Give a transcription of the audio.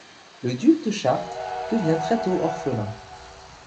Le duc de Chartres devient très tôt orphelin.